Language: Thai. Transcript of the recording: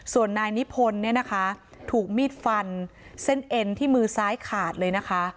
ส่วนนายนิพนธ์เนี่ยนะคะถูกมีดฟันเส้นเอ็นที่มือซ้ายขาดเลยนะคะ